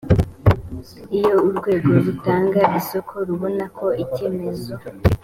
iyo urwego rutanga isoko rubona ko icyemezo